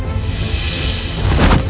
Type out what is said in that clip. aku ingin menerima keadaanmu